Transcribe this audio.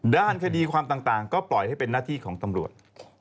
ด้านคดีความต่างก็ปล่อยให้เป็นหน้าที่ของตำรวจ